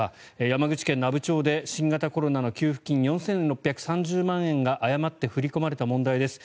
山口県阿武町で新型コロナの給付金４６３０万円が誤って振り込まれた問題です。